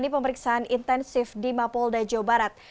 pemeriksaan intensif di mapolda jawa barat